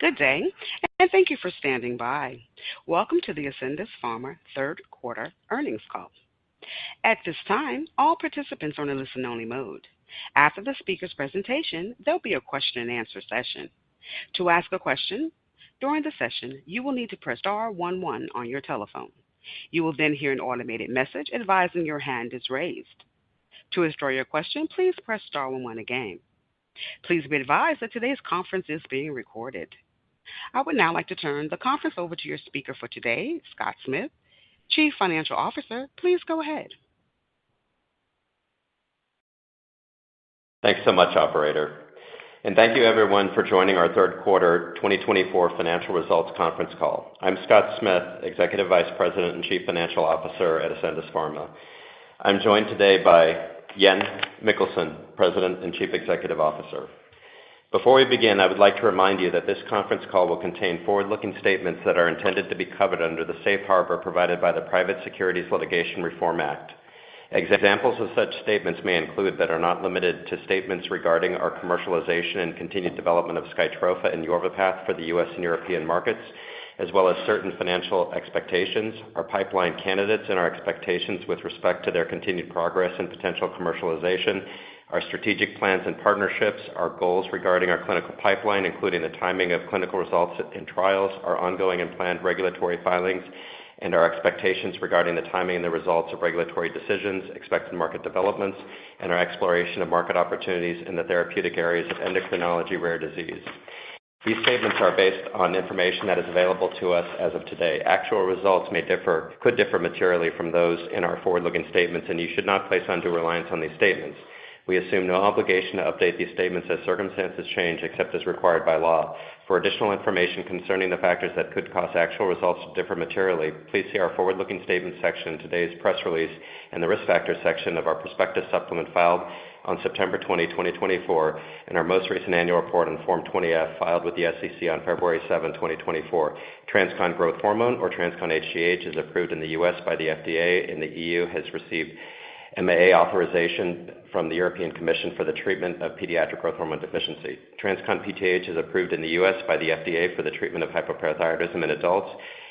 Good day, and thank you for standing by. Welcome to the Ascendis Pharma third quarter earnings call. At this time, all participants are in a listen-only mode. After the speaker's presentation, there'll be a question-and-answer session. To ask a question during the session, you will need to press star 11 on your telephone. You will then hear an automated message advising your hand is raised. To withdraw your question, please press star 11 again. Please be advised that today's conference is being recorded. I would now like to turn the conference over to your speaker for today, Scott Smith, Chief Financial Officer. Please go ahead. Thanks so much, Operator, and thank you, everyone, for joining our third quarter 2024 financial results conference call. I'm Scott Smith, Executive Vice President and Chief Financial Officer at Ascendis Pharma. I'm joined today by Jan Mikkelsen, President and Chief Executive Officer. Before we begin, I would like to remind you that this conference call will contain forward-looking statements that are intended to be covered under the safe harbor provided by the Private Securities Litigation Reform Act. Examples of such statements may include but are not limited to statements regarding our commercialization and continued development of SkyTrofa and YorviPath for the U.S. And European markets, as well as certain financial expectations, our pipeline candidates, and our expectations with respect to their continued progress and potential commercialization, our strategic plans and partnerships, our goals regarding our clinical pipeline, including the timing of clinical results and trials, our ongoing and planned regulatory filings, and our expectations regarding the timing and the results of regulatory decisions, expected market developments, and our exploration of market opportunities in the therapeutic areas of endocrinology rare disease. These statements are based on information that is available to us as of today. Actual results may differ, could differ materially from those in our forward-looking statements, and you should not place undue reliance on these statements. We assume no obligation to update these statements as circumstances change, except as required by law. For additional information concerning the factors that could cause actual results to differ materially, please see our forward-looking statements section, today's press release, and the risk factor section of our prospectus supplement filed on September 20, 2024, and our most recent annual report, Form 20-F, filed with the SEC on February 7, 2024. TransCon Growth Hormone, or TransCon hGH, is approved in the U.S. by the FDA. In the EU, it has received MAA authorization from the European Commission for the treatment of pediatric growth hormone deficiency. TransCon PTH is approved in the U.S. by the FDA for the treatment of hypoparathyroidism in adults,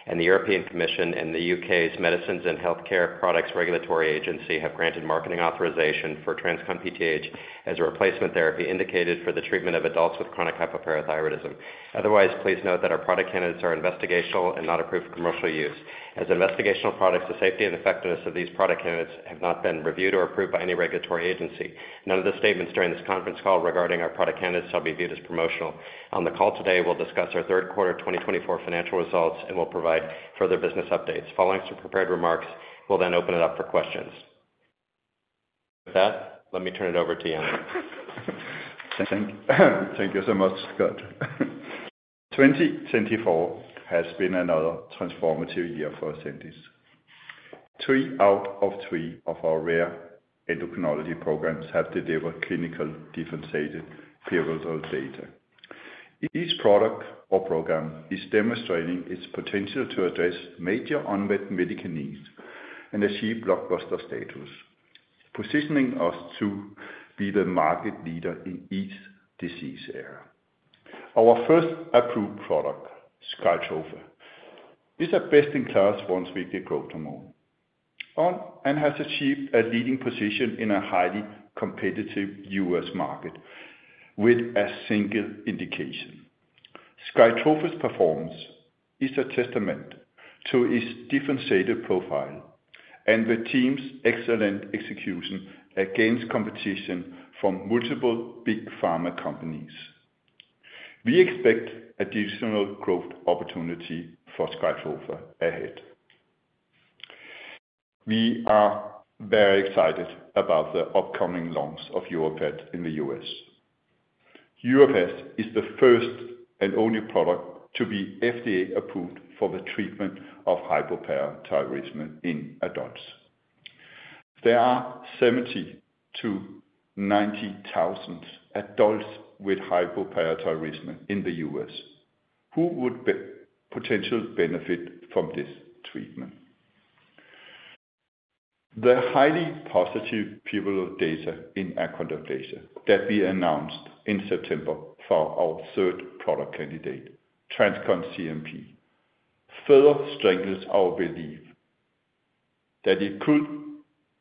and the European Commission and the UK's Medicines and Healthcare Products Regulatory Agency have granted marketing authorization for TransCon PTH as a replacement therapy indicated for the treatment of adults with chronic hypoparathyroidism. Otherwise, please note that our product candidates are investigational and not approved for commercial use. As investigational products, the safety and effectiveness of these product candidates have not been reviewed or approved by any regulatory agency. None of the statements during this conference call regarding our product candidates shall be viewed as promotional. On the call today, we'll discuss our third quarter 2024 financial results and will provide further business updates. Following some prepared remarks, we'll then open it up for questions. With that, let me turn it over to Jan. Thank you so much, Scott. 2024 has been another transformative year for Ascendis. Three out of three of our rare endocrinology programs have delivered clinical differentiated pivotal data. Each product or program is demonstrating its potential to address major unmet medical needs and achieve blockbuster status, positioning us to be the market leader in each disease area. Our first approved product, SkyTrofa, is a best-in-class once-weekly growth hormone and has achieved a leading position in a highly competitive U.S. market with a single indication. SkyTrofa's performance is a testament to its differentiated profile and the team's excellent execution against competition from multiple big pharma companies. We expect additional growth opportunities for SkyTrofa ahead. We are very excited about the upcoming launch of YorviPath in the U.S. YorviPath is the first and only product to be FDA-approved for the treatment of hypoparathyroidism in adults. There are 70-90,000 adults with hypoparathyroidism in the U.S. who would potentially benefit from this treatment. The highly positive pivotal data in achondroplasia that we announced in September for our third product candidate, TransCon CNP, further strengthens our belief that it could,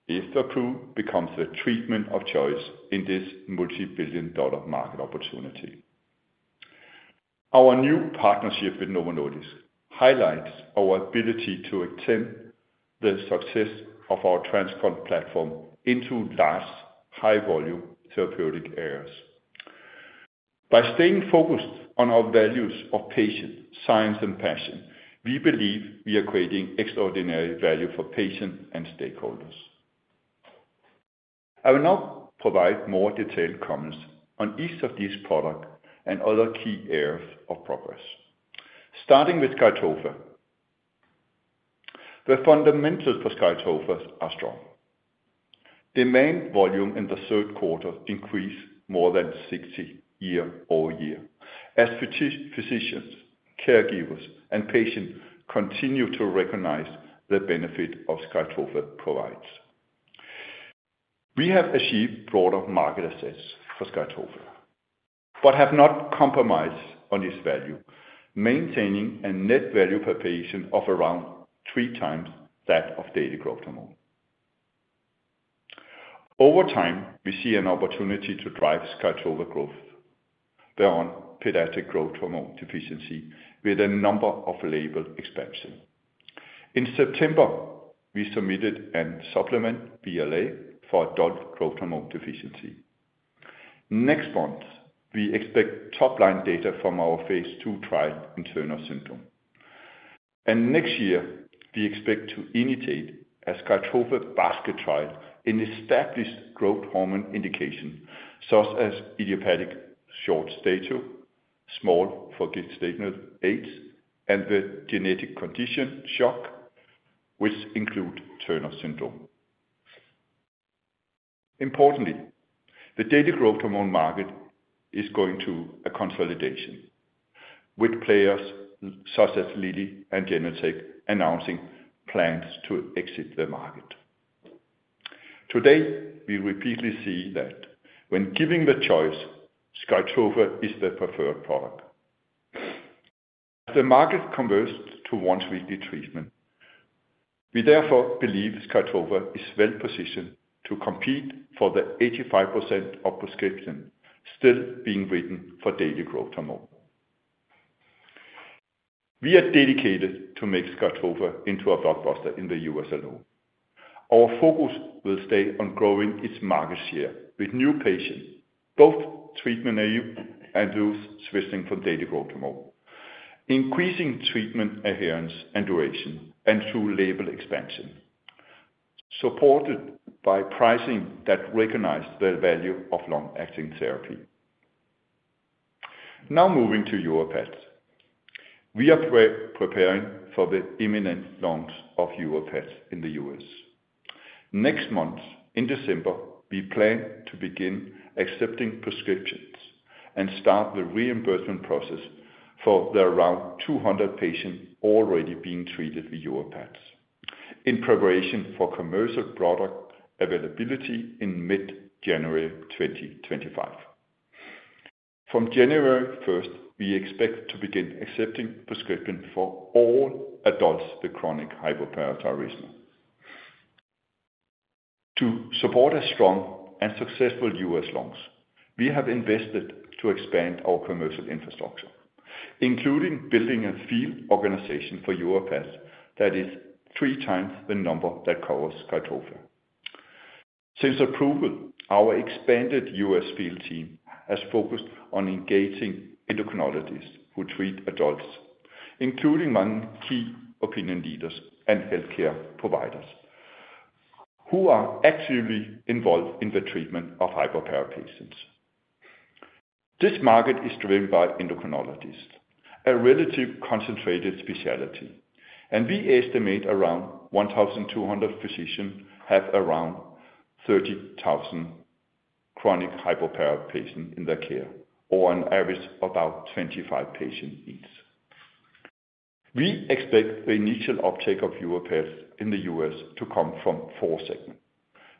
if approved, become the treatment of choice in this multi-billion-dollar market opportunity. Our new partnership with Novo Nordisk highlights our ability to extend the success of our TransCon platform into large, high-volume therapeutic areas. By staying focused on our values of patient science and passion, we believe we are creating extraordinary value for patients and stakeholders. I will now provide more detailed comments on each of these products and other key areas of progress. Starting with SkyTrofa, the fundamentals for SkyTrofa are strong. Demand volume in the third quarter increased more than 60% year-over-year as physicians, caregivers, and patients continue to recognize the benefit that SKYTROFA provides. We have achieved broader market access for SKYTROFA but have not compromised on its value, maintaining a net value per patient of around three times that of daily growth hormone. Over time, we see an opportunity to drive SKYTROFA growth beyond pediatric growth hormone deficiency with a number of label expansions. In September, we submitted a supplemental BLA for adult growth hormone deficiency. Next month, we expect top-line data from our phase II trial in Turner syndrome. Next year, we expect to initiate a SKYTROFA basket trial in established growth hormone indications such as idiopathic short stature, small for gestational age, and the genetic condition SHOX deficiency, which include Turner syndrome. Importantly, the daily growth hormone market is going through a consolidation, with players such as Lilly and Genentech announcing plans to exit the market. Today, we repeatedly see that when given the choice, SkyTrofa is the preferred product. As the market converts to once-weekly treatment, we therefore believe SkyTrofa is well positioned to compete for the 85% of prescriptions still being written for daily growth hormone. We are dedicated to making SkyTrofa into a blockbuster in the U.S. alone. Our focus will stay on growing its market share with new patients, both treatment-naive and those switching from daily growth hormone, increasing treatment adherence and duration, and through label expansion, supported by pricing that recognizes the value of long-acting therapy. Now moving to YorviPath, we are preparing for the imminent launch of YorviPath in the U.S. Next month, in December, we plan to begin accepting prescriptions and start the reimbursement process for the around 200 patients already being treated with Yorvipath in preparation for commercial product availability in mid-January 2025. From January 1st, we expect to begin accepting prescriptions for all adults with chronic hypoparathyroidism. To support a strong and successful U.S. launch, we have invested to expand our commercial infrastructure, including building a field organization for Yorvipath that is three times the number that covers SkyTrofa. Since approval, our expanded U.S. field team has focused on engaging endocrinologists who treat adults, including key opinion leaders and healthcare providers who are actively involved in the treatment of hypoparathyroid patients. This market is driven by endocrinologists, a relatively concentrated specialty, and we estimate around 1,200 physicians have around 30,000 chronic hypoparathyroid patients in their care, or an average of about 25 patients each. We expect the initial uptake of YorviPath in the U.S. to come from four segments.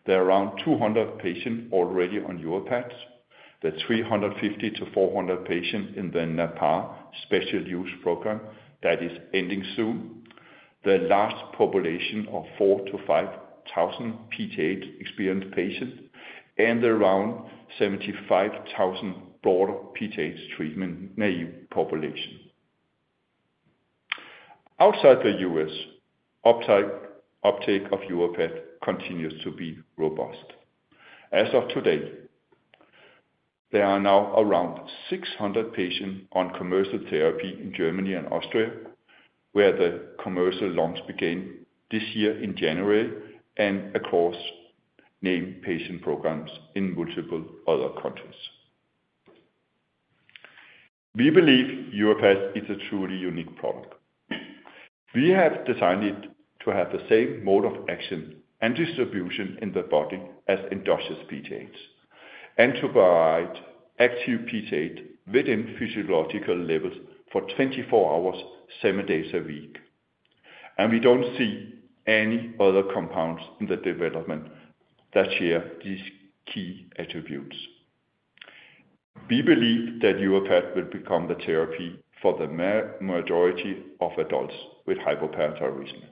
There are around 200 patients already on YorviPath, the 350-400 patients in the Natpar special use program that is ending soon, the large population of 4,000-5,000 PTH-experienced patients, and the around 75,000 broader PTH treatment-naive population. Outside the U.S., uptake of YorviPath continues to be robust. As of today, there are now around 600 patients on commercial therapy in Germany and Austria, where the commercial launch began this year in January, and across named patient programs in multiple other countries. We believe YorviPath is a truly unique product. We have designed it to have the same mode of action and distribution in the body as endogenous PTH and to provide active PTH within physiological levels for 24 hours, seven days a week. We don't see any other compounds in the development that share these key attributes. We believe that Yorvipath will become the therapy for the majority of adults with hypoparathyroidism,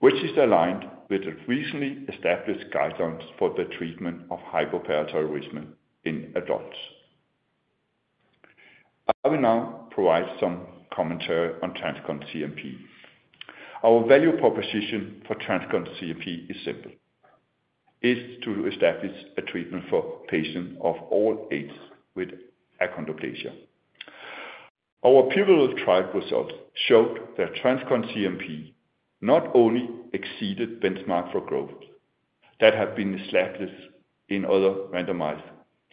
which is aligned with the recently established guidelines for the treatment of hypoparathyroidism in adults. I will now provide some commentary on TransCon CNP. Our value proposition for TransCon CNP is simple: it is to establish a treatment for patients of all ages with achondroplasia. Our pivotal trial results showed that TransCon CNP not only exceeded benchmark for growth that have been established in other randomized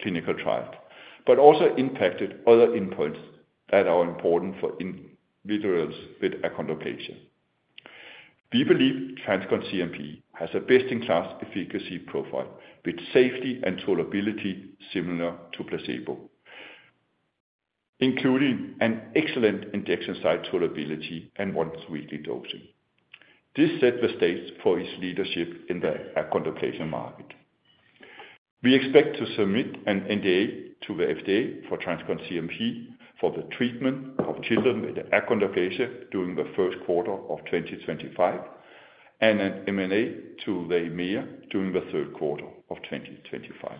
clinical trials, but also impacted other endpoints that are important for individuals with achondroplasia. We believe TransCon CNP has a best-in-class efficacy profile with safety and tolerability similar to placebo, including an excellent injection site tolerability and once-weekly dosing. This set the stage for its leadership in the achondroplasia market. We expect to submit an NDA to the FDA for TransCon CNP for the treatment of children with achondroplasia during the first quarter of 2025 and an MAA to the EMA during the third quarter of 2025.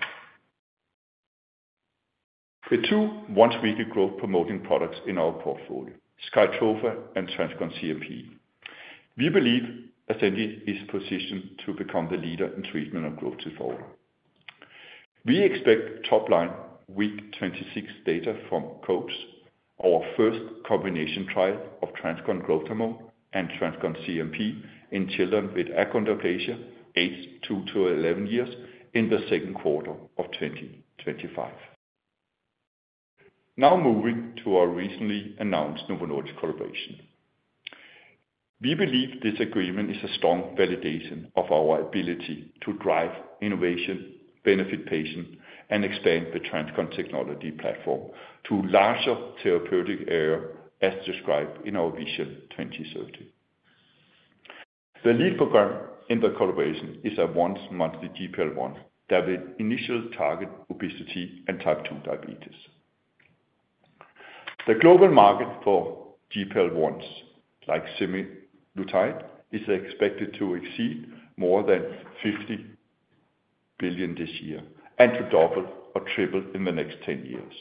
The two once-weekly growth-promoting products in our portfolio, SKYTROFA and TransCon CNP, we believe Ascendis is positioned to become the leader in treatment of growth disorder. We expect top-line week 26 data from COGS, our first combination trial of TransCon Growth Hormone and TransCon CNP in children with achondroplasia, ages two to 11 years, in the second quarter of 2025. Now moving to our recently announced Novo Nordisk collaboration. We believe this agreement is a strong validation of our ability to drive innovation, benefit patients, and expand the TransCon technology platform to larger therapeutic areas as described in our Vision 2030. The lead program in the collaboration is a once-monthly GLP-1 that will initially target obesity and type 2 diabetes. The global market for GLP-1s like semaglutide is expected to exceed more than $50 billion this year and to double or triple in the next 10 years.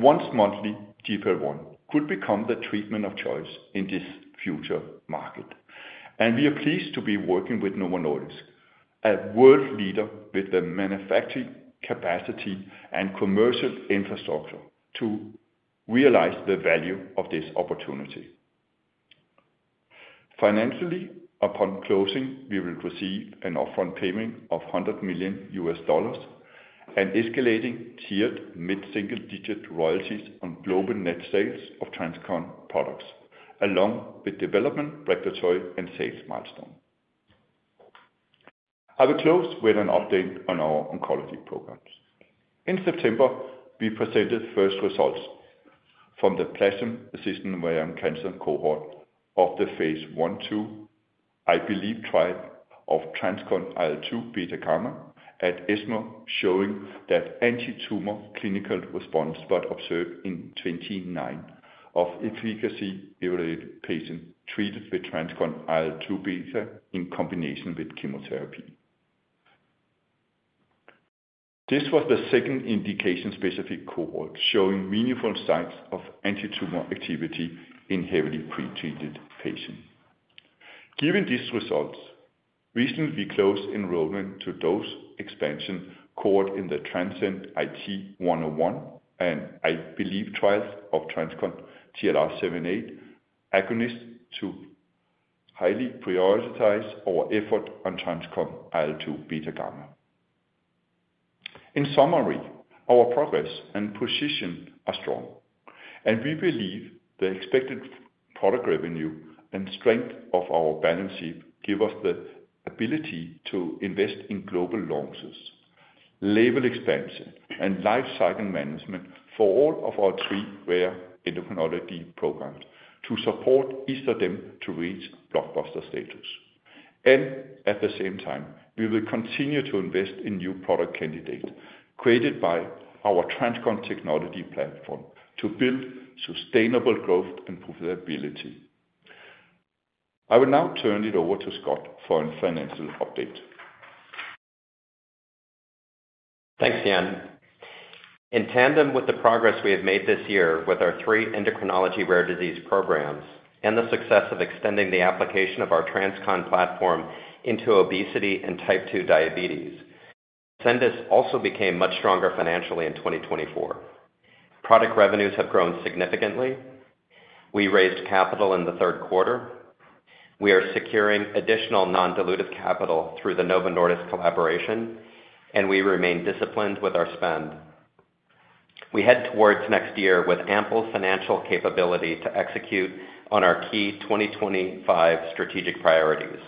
Once-monthly GLP-1 could become the treatment of choice in this future market, and we are pleased to be working with Novo Nordisk, a world leader with the manufacturing capacity and commercial infrastructure, to realize the value of this opportunity. Financially, upon closing, we will receive an upfront payment of $100 million and escalating tiered mid-single-digit royalties on global net sales of TransCon products, along with development, regulatory, and sales milestones. I will close with an update on our oncology programs. In September, we presented first results from the Platinum-Resistant Ovarian Cancer cohort of the phase I/II IL-Believe trial of TransCon IL-2 beta/gamma at ESMO, showing that anti-tumor clinical response was observed in 29% of efficacy-evaluated patients treated with TransCon IL-2 beta in combination with chemotherapy. This was the second indication-specific cohort showing meaningful signs of anti-tumor activity in heavily pretreated patients. Given these results, recently we closed enrollment to dose expansion cohort in the transcendIT-101 trial of TransCon TLR7/8 agonists to highly prioritize our effort on TransCon IL-2 beta/gamma. In summary, our progress and position are strong, and we believe the expected product revenue and strength of our balance sheet give us the ability to invest in global launches, label expansion, and lifecycle management for all of our three rare endocrinology programs to support each of them to reach blockbuster status. At the same time, we will continue to invest in new product candidates created by our TransCon technology platform to build sustainable growth and profitability. I will now turn it over to Scott for a financial update. Thanks, Jan. In tandem with the progress we have made this year with our three endocrinology rare disease programs and the success of extending the application of our TransCon platform into obesity and type two diabetes, Ascendis also became much stronger financially in 2024. Product revenues have grown significantly. We raised capital in the third quarter. We are securing additional non-dilutive capital through the Novo Nordisk collaboration, and we remain disciplined with our spend. We head towards next year with ample financial capability to execute on our key 2025 strategic priorities,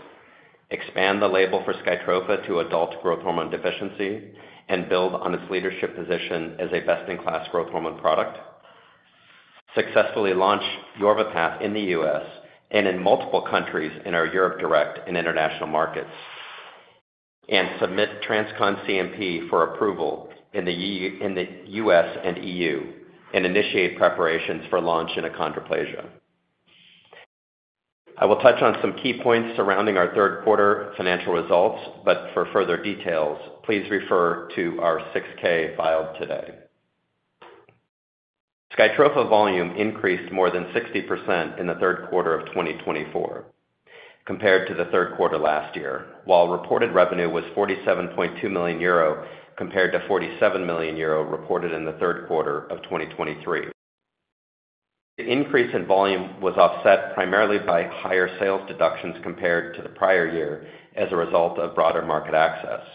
expand the label for SKYTROFA to adult growth hormone deficiency, and build on its leadership position as a best-in-class growth hormone product, successfully launch YORVIPATH in the U.S. and in multiple countries in our Europe Direct and international markets, and submit TransCon CNP for approval in the U.S. and EU, and initiate preparations for launch in achondroplasia. I will touch on some key points surrounding our third-quarter financial results, but for further details, please refer to our 6K filed today. SKYTROFA volume increased more than 60% in the third quarter of 2024 compared to the third quarter last year, while reported revenue was 47.2 million euro compared to 47 million euro reported in the third quarter of 2023. The increase in volume was offset primarily by higher sales deductions compared to the prior year as a result of broader market access.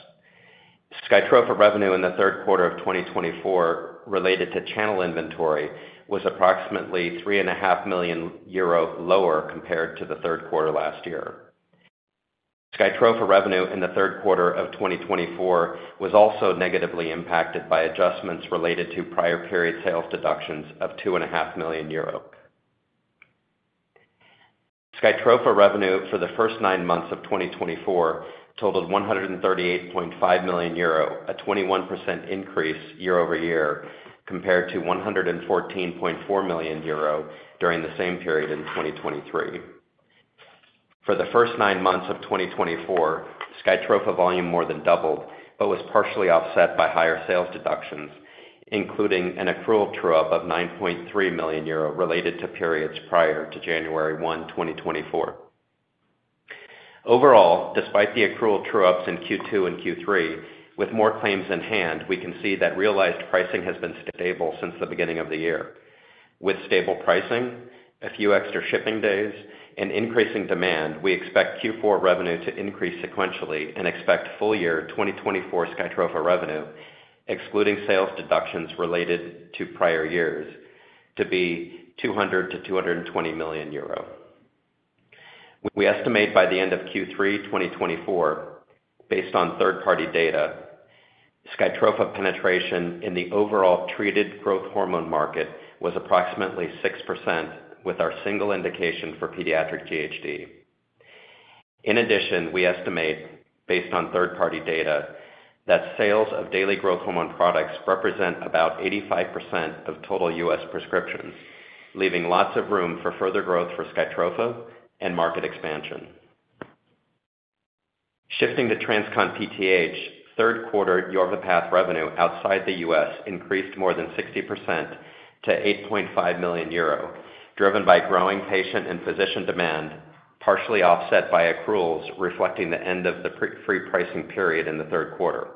SKYTROFA revenue in the third quarter of 2024 related to channel inventory was approximately 3.5 million euro lower compared to the third quarter last year. SKYTROFA revenue in the third quarter of 2024 was also negatively impacted by adjustments related to prior period sales deductions of 2.5 million euro. SKYTROFA revenue for the first nine months of 2024 totaled 138.5 million euro, a 21% increase year-over-year compared to 114.4 million euro during the same period in 2023. For the first nine months of 2024, SKYTROFA volume more than doubled but was partially offset by higher sales deductions, including an accrual true-up of 9.3 million euro related to periods prior to January 1, 2024. Overall, despite the accrual true-ups in Q2 and Q3, with more claims in hand, we can see that realized pricing has been stable since the beginning of the year. With stable pricing, a few extra shipping days, and increasing demand, we expect Q4 revenue to increase sequentially and expect full-year 2024 SkyTrofa revenue, excluding sales deductions related to prior years, to be 200 million-220 million euro. We estimate by the end of Q3 2024, based on third-party data, SkyTrofa penetration in the overall treated growth hormone market was approximately 6% with our single indication for pediatric GHD. In addition, we estimate, based on third-party data, that sales of daily growth hormone products represent about 85% of total U.S. prescriptions, leaving lots of room for further growth for SkyTrofa and market expansion. Shifting to TransCon PTH, third-quarter YorviPath revenue outside the U.S. Increased more than 60% to 8.5 million euro, driven by growing patient and physician demand, partially offset by accruals reflecting the end of the pre-pricing period in the third quarter.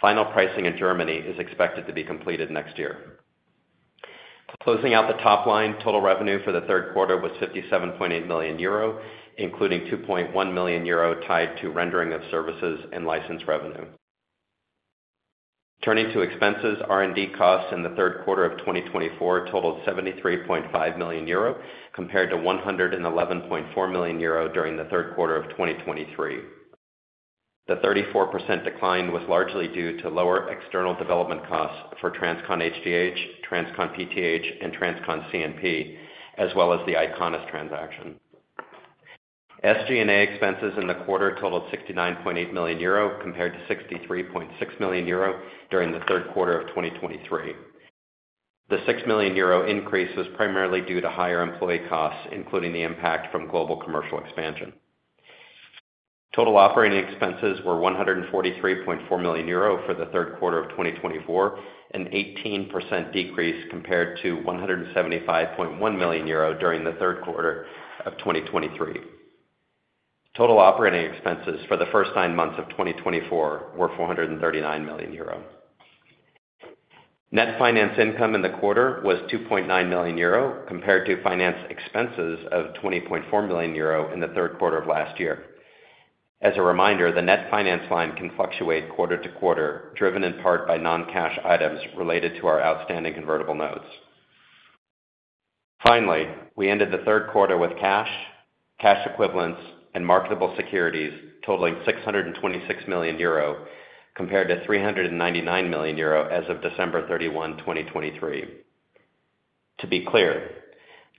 Final pricing in Germany is expected to be completed next year. Closing out the top line, total revenue for the third quarter was 57.8 million euro, including 2.1 million euro tied to rendering of services and license revenue. Turning to expenses, R&D costs in the third quarter of 2024 totaled 73.5 million euro compared to 111.4 million euro during the third quarter of 2023. The 34% decline was largely due to lower external development costs for TransCon hGH, TransCon PTH, and TransCon CNP, as well as the Eyconis transaction. SG&A expenses in the quarter totaled 69.8 million euro compared to 63.6 million euro during the third quarter of 2023. The 6 million euro increase was primarily due to higher employee costs, including the impact from global commercial expansion. Total operating expenses were 143.4 million euro for the third quarter of 2024, an 18% decrease compared to 175.1 million euro during the third quarter of 2023. Total operating expenses for the first nine months of 2024 were 439 million euro. Net finance income in the quarter was 2.9 million euro compared to finance expenses of 20.4 million euro in the third quarter of last year. As a reminder, the net finance line can fluctuate quarter to quarter, driven in part by non-cash items related to our outstanding convertible notes. Finally, we ended the third quarter with cash, cash equivalents, and marketable securities totaling 626 million euro compared to 399 million euro as of December 31, 2023. To be clear,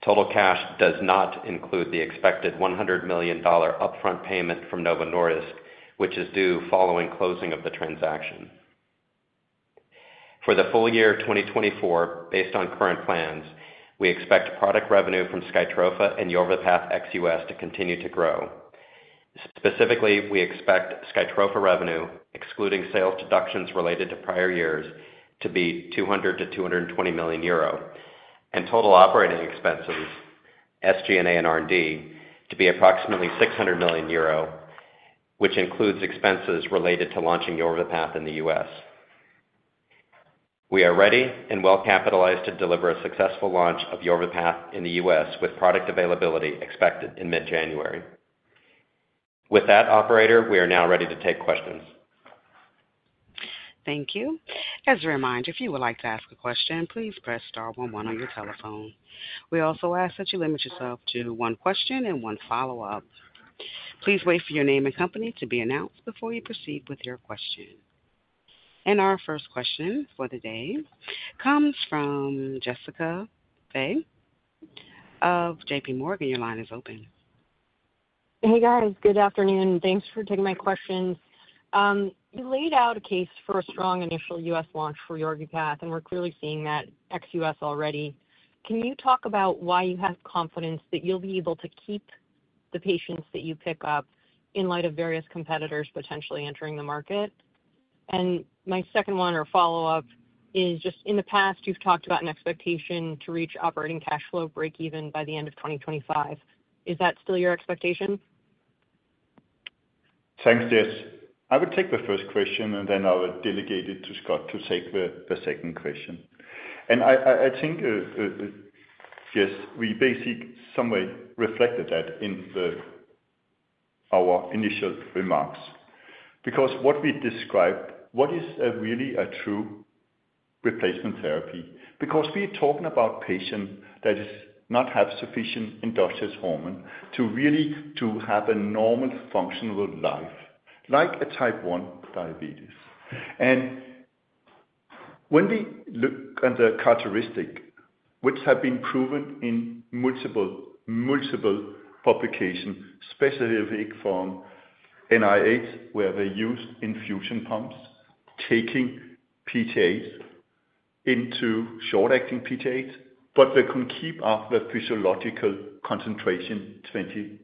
total cash does not include the expected $100 million upfront payment from Novo Nordisk, which is due following closing of the transaction. For the full year 2024, based on current plans, we expect product revenue from SkyTrofa and YorviPath XUS to continue to grow. Specifically, we expect SkyTrofa revenue, excluding sales deductions related to prior years, to be 200 million-220 million euro, and total operating expenses, SG&A and R&D, to be approximately 600 million euro, which includes expenses related to launching YorviPath in the U.S. We are ready and well-capitalized to deliver a successful launch of YorviPath in the U.S. with product availability expected in mid-January. With that, operator, we are now ready to take questions. Thank you. As a reminder, if you would like to ask a question, please press star 11 on your telephone. We also ask that you limit yourself to one question and one follow-up. Please wait for your name and company to be announced before you proceed with your question. And our first question for the day comes from Jessica Fye of JPMorgan. Your line is open. Hey, guys. Good afternoon. Thanks for taking my questions. You laid out a case for a strong initial U.S. launch for YORVIPATH, and we're clearly seeing that ex-US already. Can you talk about why you have confidence that you'll be able to keep the patients that you pick up in light of various competitors potentially entering the market? And my second one or follow-up is just, in the past, you've talked about an expectation to reach operating cash flow break-even by the end of 2025. Is that still your expectation? Thanks, Jess. I would take the first question, and then I would delegate it to Scott to take the second question. And I think, Jess, we basically somehow reflected that in our initial remarks because what we described, what is really a true replacement therapy? Because we're talking about a patient that does not have sufficient endogenous hormone to really have a normal functional life like a type 1 diabetes. And when we look at the characteristics, which have been proven in multiple, multiple publications, specifically from NIH, where they used infusion pumps taking PTH into short-acting PTH, but they can keep up the physiological concentration 24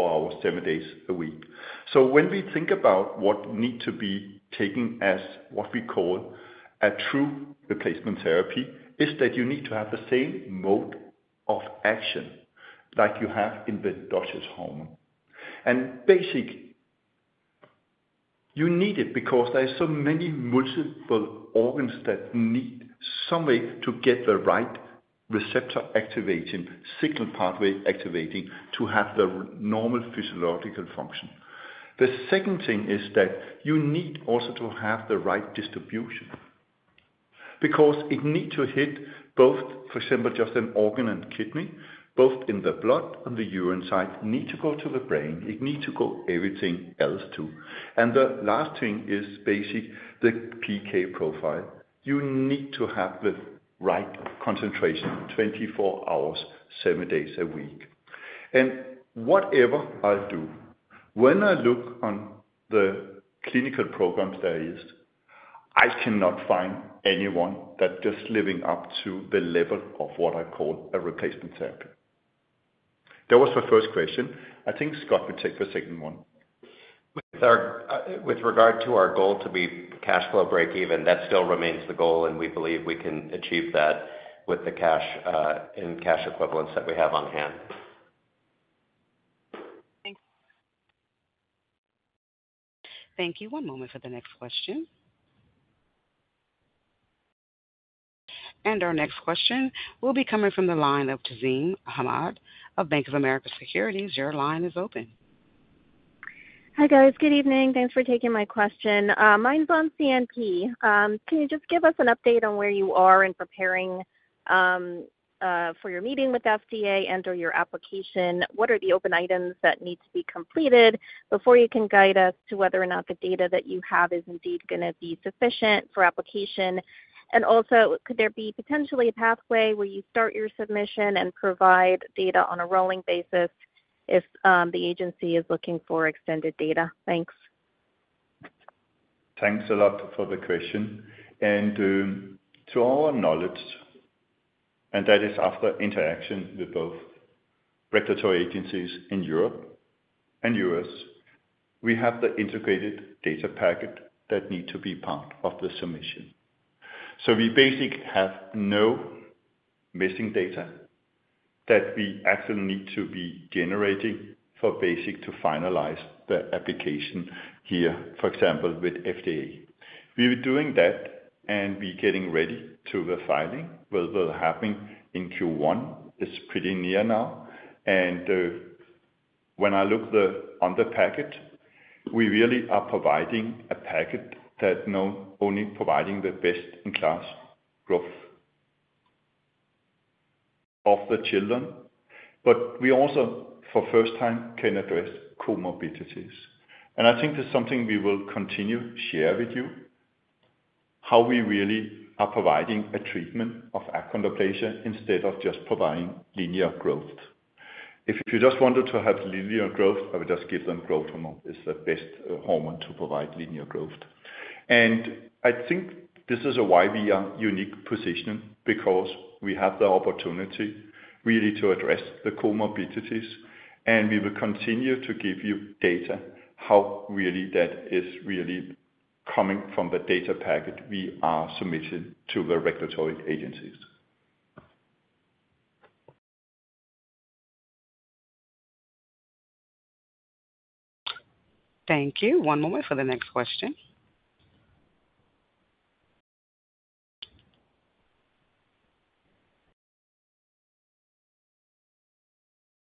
hours, seven days a week. So when we think about what needs to be taken as what we call a true replacement therapy, it's that you need to have the same mode of action like you have in the endogenous hormone. And basically, you need it because there are so many multiple organs that need some way to get the right receptor activation, signal pathway activation to have the normal physiological function. The second thing is that you need also to have the right distribution because it needs to hit both, for example, just an organ and kidney, both in the blood and the urine side, need to go to the brain, it needs to go everything else too. And the last thing is basically, the PK profile. You need to have the right concentration 24 hours, seven days a week. And whatever I do, when I look on the clinical programs that I used, I cannot find anyone that's just living up to the level of what I call a replacement therapy. That was the first question. I think Scott will take the second one. With regard to our goal to be cash flow break-even, that still remains the goal, and we believe we can achieve that with the cash and cash equivalents that we have on hand. Thanks. Thank you. One moment for the next question. And our next question will be coming from the line of Tazeen Ahmad of Bank of America Securities. Your line is open. Hi, guys. Good evening. Thanks for taking my question. Mine's on CNP. Can you just give us an update on where you are in preparing for your meeting with FDA and/or your application? What are the open items that need to be completed before you can guide us to whether or not the data that you have is indeed going to be sufficient for application? Also, could there be potentially a pathway where you start your submission and provide data on a rolling basis if the agency is looking for extended data? Thanks. Thanks a lot for the question. To our knowledge, and that is after interaction with both regulatory agencies in Europe and U.S., we have the integrated data packet that needs to be part of the submission. So we basically have no missing data that we actually need to be generating basically to finalize the application here, for example, with FDA. We were doing that, and we're getting ready to the filing. What will happen in Q1 is pretty near now. When I look on the packet, we really are providing a packet that not only providing the best-in-class growth of the children, but we also, for the first time, can address comorbidities. I think that's something we will continue to share with you, how we really are providing a treatment of achondroplasia instead of just providing linear growth. If you just wanted to have linear growth, I would just give them growth hormone. It's the best hormone to provide linear growth. And I think this is why we are in a unique position because we have the opportunity really to address the comorbidities, and we will continue to give you data how really that is really coming from the data packet we are submitting to the regulatory agencies. Thank you. One moment for the next question.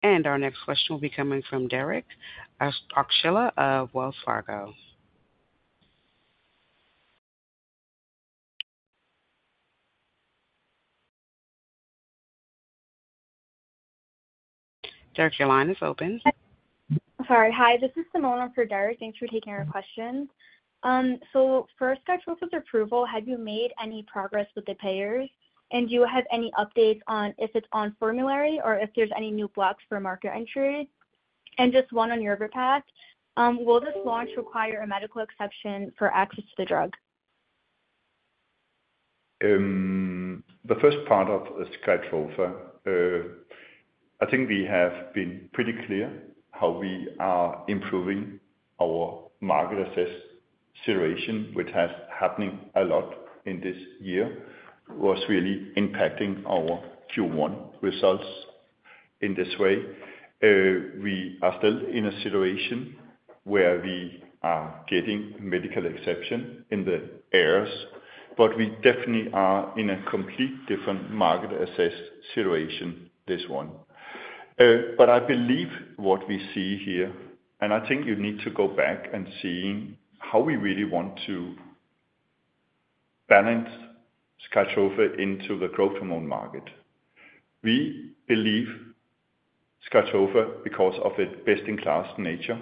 And our next question will be coming from Derek Archila of Wells Fargo. Derek, your line is open. Sorry. Hi. This is Simona for Derek. Thanks for taking our questions. So for SkyTrofa's approval, have you made any progress with the payers? Do you have any updates on if it's on formulary or if there's any new blocks for market entry? Just one on YorviPath, will this launch require a medical exception for access to the drug? The first part of SkyTrofa, I think we have been pretty clear how we are improving our market access situation, which has happened a lot in this year, was really impacting our Q1 results in this way. We are still in a situation where we are getting medical exception in the areas, but we definitely are in a completely different market access situation now. I believe what we see here, and I think you need to go back and see how we really want to balance SkyTrofa into the growth hormone market. We believe SkyTrofa, because of its best-in-class nature,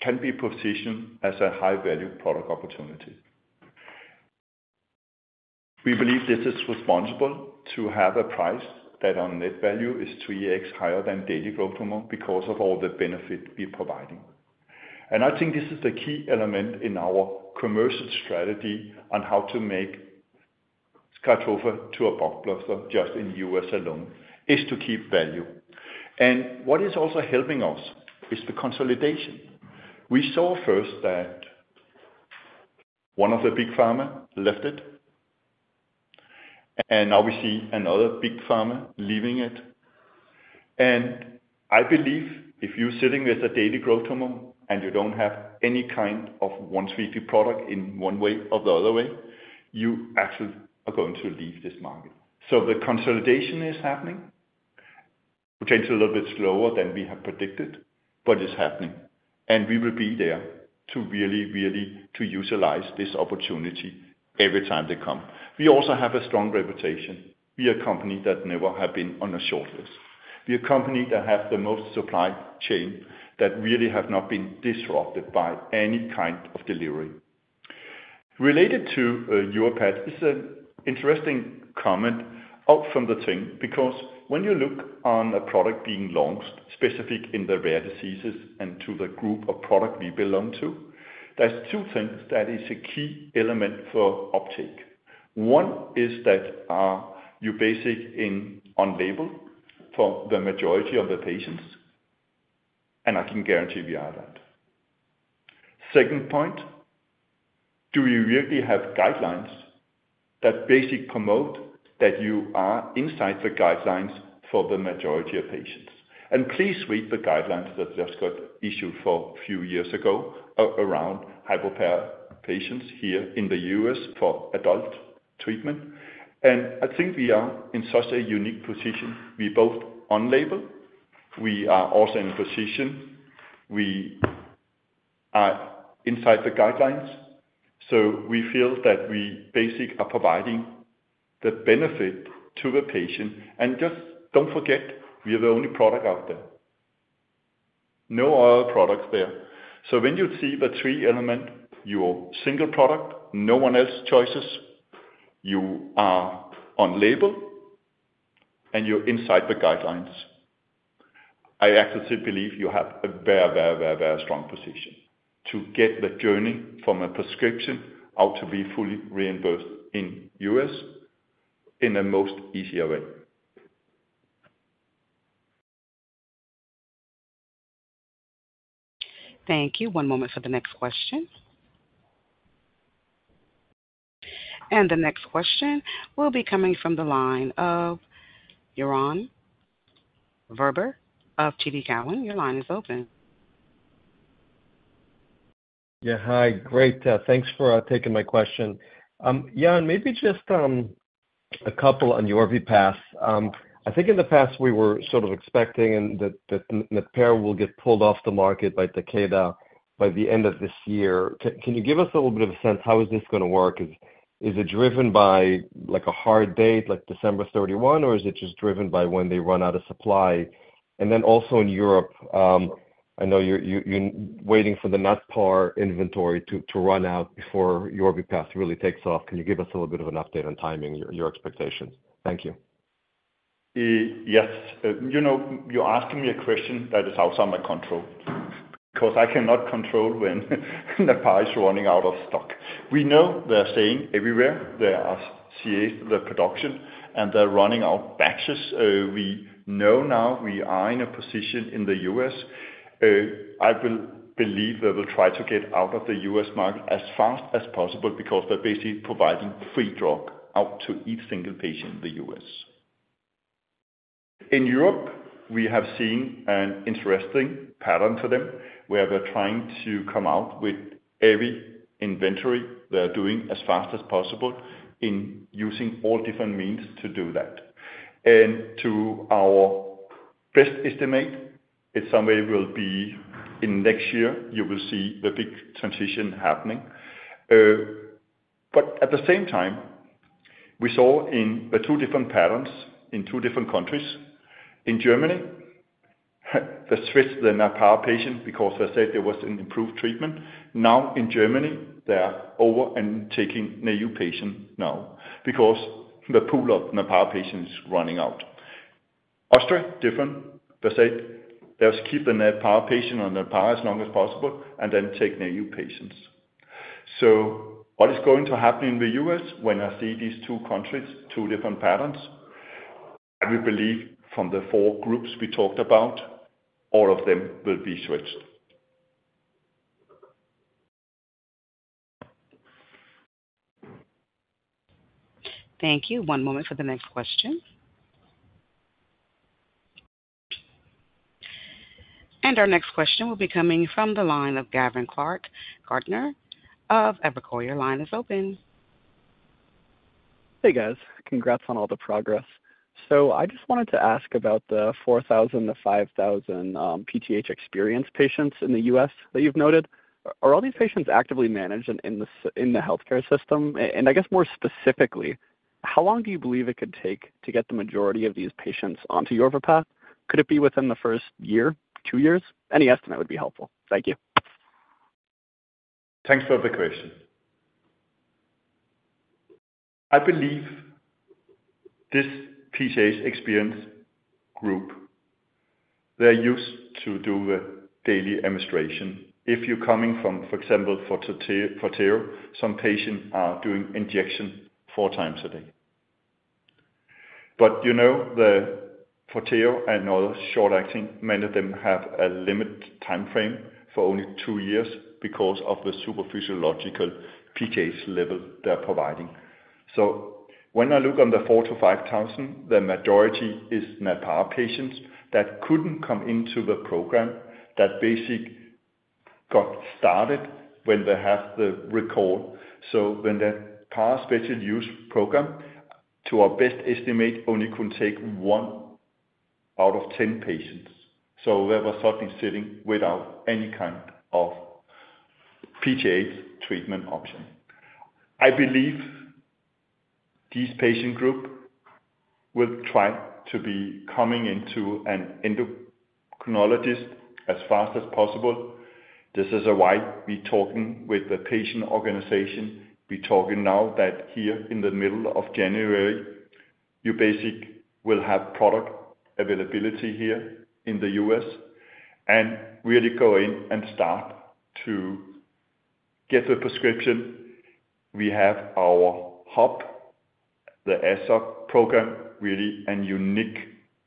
can be positioned as a high-value product opportunity. We believe this is responsible to have a price that on net value is 3x higher than daily growth hormone because of all the benefit we're providing. I think this is the key element in our commercial strategy on how to make SKYTROFA a blockbuster just in the U.S. alone is to keep value. What is also helping us is the consolidation. We saw first that one of the big pharma left it, and now we see another big pharma leaving it. I believe if you're sitting with a daily growth hormone and you don't have any kind of once-weekly product in one way or the other way, you actually are going to leave this market. So the consolidation is happening. Potentially a little bit slower than we have predicted, but it's happening. And we will be there to really, really utilize this opportunity every time they come. We also have a strong reputation. We are a company that never has been on a shortlist. We are a company that has the most supply chain that really has not been disrupted by any kind of delivery. Related to Yorvipath, it's an interesting comment out from the team because when you look on a product being launched specific in the rare diseases and to the group of product we belong to, there's two things that are a key element for uptake. One is that you're basically on label for the majority of the patients, and I can guarantee we are that. Second point, do you really have guidelines that basically promote that you are inside the guidelines for the majority of patients? And please read the guidelines that just got issued a few years ago around hypopar patients here in the U.S. for adult treatment. And I think we are in such a unique position. We're both on label. We are also in a position. We are inside the guidelines. So we feel that we basically are providing the benefit to the patient. And just don't forget, we are the only product out there. No other products there. So when you see the three-element, your single product, no one else's choices, you are on label, and you're inside the guidelines. I actually believe you have a very, very, very, very strong position to get the journey from a prescription out to be fully reimbursed in the U.S. in the most easier way. Thank you. One moment for the next question. The next question will be coming from the line of Yaron Werber of TD Cowen. Your line is open. Yeah. Hi. Great. Thanks for taking my question. Yaron, maybe just a couple on Yorvipath. I think in the past, we were sort of expecting that the Natpara will get pulled off the market by Takeda by the end of this year. Can you give us a little bit of a sense? How is this going to work? Is it driven by a hard date, like December 31, or is it just driven by when they run out of supply? And then also in Europe, I know you're waiting for the Natpar inventory to run out before Yorvipath really takes off. Can you give us a little bit of an update on timing, your expectations? Thank you. Yes. You're asking me a question that is outside my control because I cannot control when the product is running out of stock. We know they're short everywhere. There are delays in the production, and they're running out of batches. We know now we are in a position in the U.S. I believe they will try to get out of the U.S. market as fast as possible because they're basically providing free drug to each single patient in the U.S. In Europe, we have seen an interesting pattern for them where they're trying to come out with every inventory they're doing as fast as possible in using all different means to do that. And to our best estimate, it will be sometime in next year. You will see the big transition happening. But at the same time, we saw two different patterns in two different countries. In Germany, they switched the Natpar patient because they said there was an improved treatment. Now in Germany, they are over and taking a new patient now because the pool of Natpar patients is running out. Austria, different. They said they'll keep the Natpar patient on Natpar as long as possible and then take new patients. So what is going to happen in the U.S. when I see these two countries, two different patterns? I believe from the four groups we talked about, all of them will be switched. Thank you. One moment for the next question. Our next question will be coming from the line of Gavin Clark-Gartner of Evercore. Your line is open. Hey, guys. Congrats on all the progress. So I just wanted to ask about the 4,000-5,000 PTH experienced patients in the U.S. that you've noted. Are all these patients actively managed in the healthcare system? And I guess more specifically, how long do you believe it could take to get the majority of these patients onto YorviPath? Could it be within the first year, two years? Any estimate would be helpful. Thank you. Thanks for the question. I believe this PTH experienced group, they're used to do the daily administration. If you're coming from, for example, Forteo, some patients are doing injection four times a day. But Forteo and other short-acting, many of them have a limited timeframe for only two years because of the super physiological PTH level they're providing. So when I look on the 4,000-5,000, the majority is Natpar patients that couldn't come into the program that basically got started when they have the recall. When the Natpar special use program, to our best estimate, only could take one out of 10 patients. They were suddenly sitting without any kind of PTH treatment option. I believe this patient group will try to be coming into an endocrinologist as fast as possible. This is why we're talking with the patient organization. We're talking now that here in the middle of January, you basically will have product availability here in the U.S. and really go in and start to get the prescription. We have our hub, the ASAP program, really a unique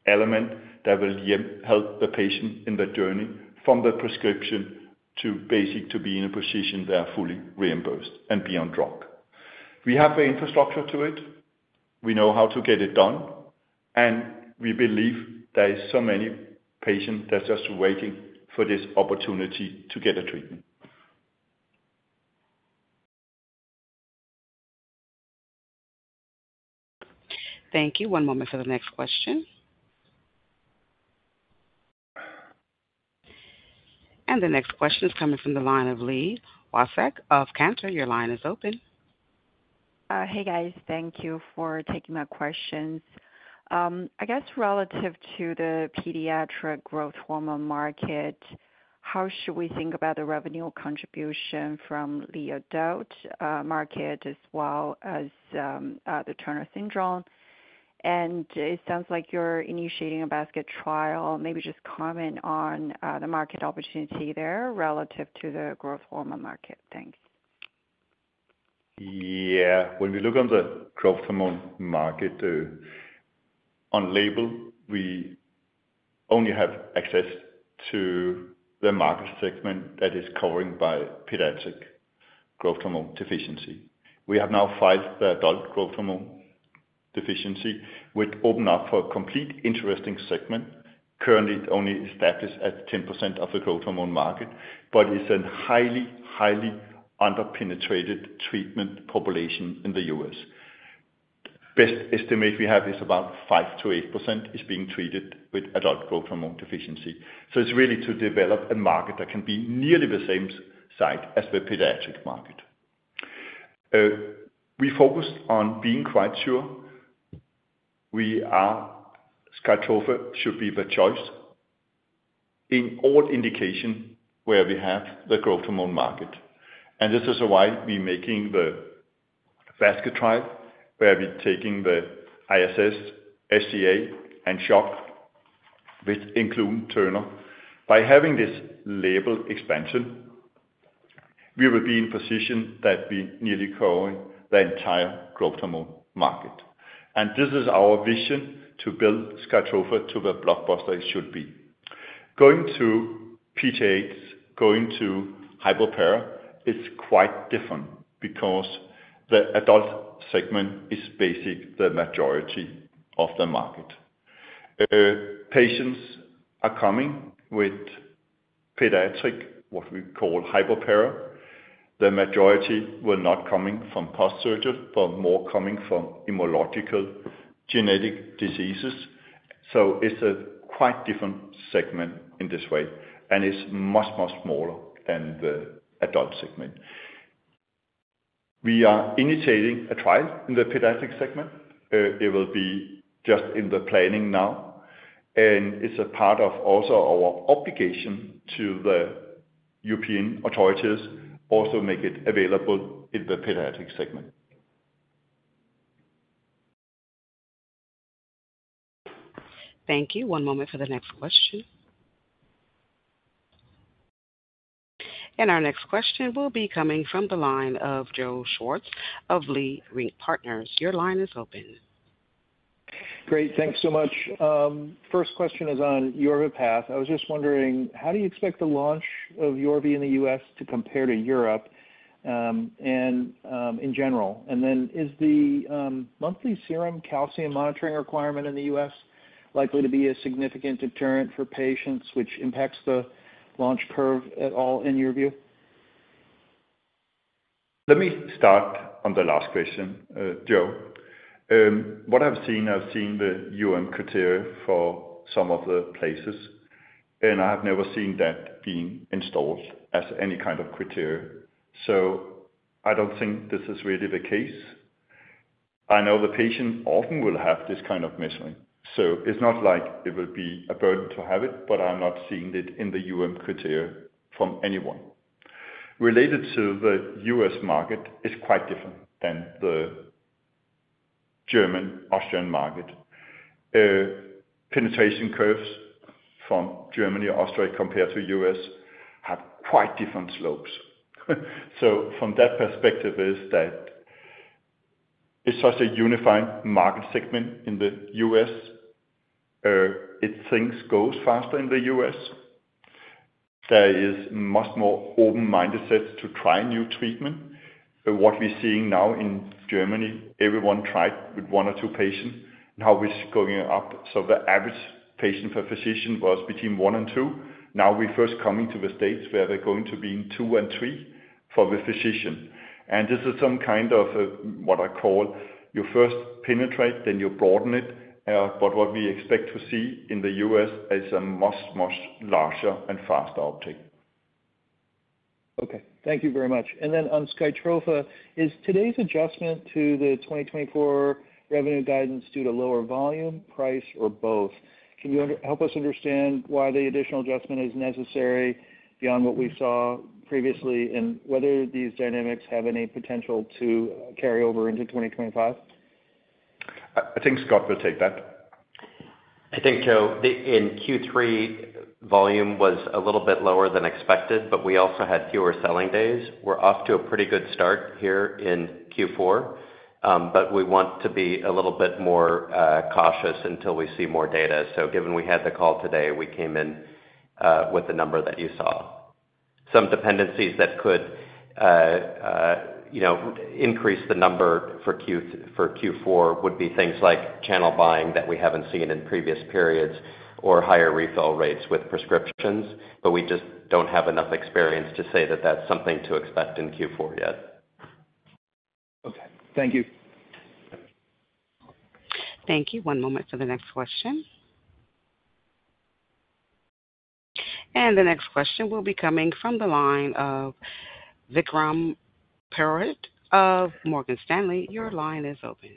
element that will help the patient in the journey from the prescription to basically to be in a position they are fully reimbursed and be on drug. We have the infrastructure to it. We know how to get it done. We believe there are so many patients that are just waiting for this opportunity to get a treatment. Thank you. One moment for the next question. The next question is coming from the line of Li Watsek of Cantor Fitzgerald. Your line is open. Hey, guys. Thank you for taking my questions. I guess relative to the pediatric growth hormone market, how should we think about the revenue contribution from the adult market as well as the Turner Syndrome? And it sounds like you're initiating a basket trial. Maybe just comment on the market opportunity there relative to the growth hormone market. Thanks. Yeah. When we look on the growth hormone market, on label, we only have access to the market segment that is covered by pediatric growth hormone deficiency. We have now filed the adult growth hormone deficiency, which opened up for a completely interesting segment. Currently, it's only established at 10% of the growth hormone market, but it's a highly, highly under-penetrated treatment population in the U.S. Best estimate we have is about 5%-8% is being treated with adult growth hormone deficiency. So it's really to develop a market that can be nearly the same size as the pediatric market. We focused on being quite sure we are SKYTROFA should be the choice in all indications where we have the growth hormone market. And this is why we're making the basket trial where we're taking the ISS, SGA, and SHOX, which include Turner. By having this label expansion, we will be in a position that we nearly cover the entire growth hormone market. And this is our vision to build SKYTROFA to the blockbuster it should be. Going to PTH, going to hypoparathyroidism, it's quite different because the adult segment is basically the majority of the market. Patients are coming with pediatric, what we call hypoparathyroidism. The majority were not coming from post-surgery, but more coming from immunological genetic diseases. So it's a quite different segment in this way, and it's much, much smaller than the adult segment. We are initiating a trial in the pediatric segment. It will be just in the planning now. And it's a part of also our obligation to the European authorities also to make it available in the pediatric segment. Thank you. One moment for the next question. And our next question will be coming from the line of Joe Schwartz of Leerink Partners. Your line is open. Great. Thanks so much. First question is on Yorvipath. I was just wondering, how do you expect the launch of YORVIPATH in the U.S. to compare to Europe in general? And then is the monthly serum calcium monitoring requirement in the U.S. likely to be a significant deterrent for patients, which impacts the launch curve at all in your view? Let me start on the last question, Joe. What I've seen, I've seen the criteria for some of the places, and I have never seen that being installed as any kind of criteria. So I don't think this is really the case. I know the patient often will have this kind of measuring. So it's not like it will be a burden to have it, but I'm not seeing it in the criteria from anyone. Related to the U.S. market, it's quite different than the German, Austrian market. Penetration curves from Germany, Austria, compared to U.S. have quite different slopes. So from that perspective, it's such a unified market segment in the U.S. I think it goes faster in the U.S. There is much more open-mindedness to try new treatment. What we're seeing now in Germany, everyone tried with one or two patients. Now it's going up. So the average patient per physician was between one and two. Now we're first coming to the states where they're going to be two and three for the physician. And this is some kind of what I call your first penetration, then you broaden it. But what we expect to see in the U.S. is a much, much larger and faster uptake. Okay. Thank you very much. And then on SkyTrofa, is today's adjustment to the 2024 revenue guidance due to lower volume, price, or both? Can you help us understand why the additional adjustment is necessary beyond what we saw previously and whether these dynamics have any potential to carry over into 2025? I think Scott will take that. I think in Q3, volume was a little bit lower than expected, but we also had fewer selling days. We're off to a pretty good start here in Q4, but we want to be a little bit more cautious until we see more data. So given we had the call today, we came in with the number that you saw. Some dependencies that could increase the number for Q4 would be things like channel buying that we haven't seen in previous periods or higher refill rates with prescriptions, but we just don't have enough experience to say that that's something to expect in Q4 yet. Okay. Thank you. Thank you. One moment for the next question. The next question will be coming from the line of Vikram Purohit of Morgan Stanley. Your line is open.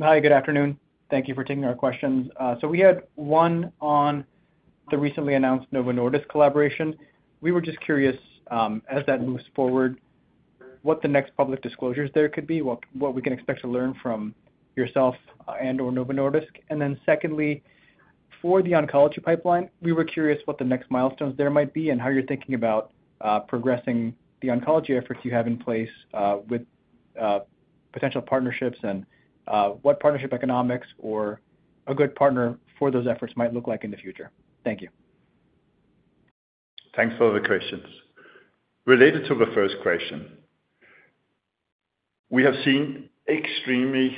Hi. Good afternoon. Thank you for taking our questions. We had one on the recently announced Novo Nordisk collaboration. We were just curious, as that moves forward, what the next public disclosures there could be, what we can expect to learn from yourself and/or Novo Nordisk. Then secondly, for the oncology pipeline, we were curious what the next milestones there might be and how you're thinking about progressing the oncology efforts you have in place with potential partnerships and what partnership economics or a good partner for those efforts might look like in the future. Thank you. Thanks for the questions. Related to the first question, we have seen extremely